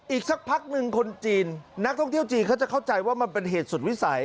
อีกสักพักหนึ่งคนจีนนักท่องเที่ยวจีนเขาจะเข้าใจว่ามันเป็นเหตุสุดวิสัย